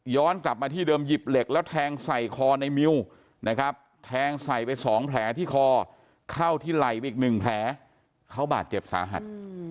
กลับมาที่เดิมหยิบเหล็กแล้วแทงใส่คอในมิวนะครับแทงใส่ไป๒แผลที่คอเข้าที่ไหล่ไปอีกหนึ่งแผลเขาบาดเจ็บสาหัส